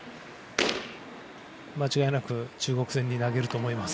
間違いなく中国戦に投げると思います。